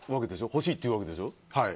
欲しいって言うわけでしょ。